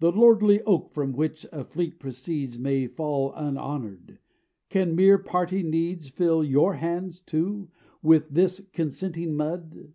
The lordly oak from which a fleet proceeds May fall unhonoured; can mere party needs Fill your hands too, with this consenting mud?